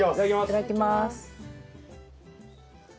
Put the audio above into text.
いただきます。